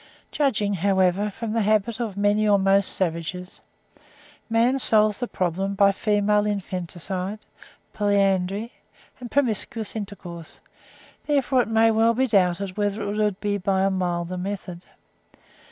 Judging, however, from the habits of many or most savages, man solves the problem by female infanticide, polyandry and promiscuous intercourse; therefore it may well be doubted whether it would be by a milder method.